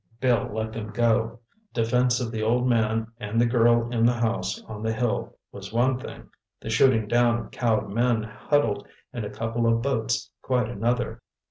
Bill let them go. Defense of the old man and the girl in the house on the hill was one thing: the shooting down of cowed men huddled in a couple of boats quite another.